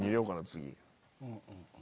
次。